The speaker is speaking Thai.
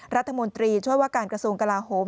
รัฐมนตรีช่วยว่าการกระทรวงกลาโหม